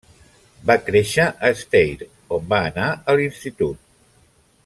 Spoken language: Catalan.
Va créixer a Steyr, on va anar a l'institut.